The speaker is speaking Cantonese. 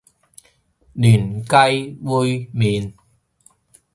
嫩雞煨麵